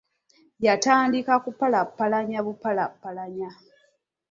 Yatandiika kupalappalanya bupalappalanya.